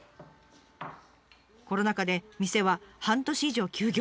コロナ禍で店は半年以上休業。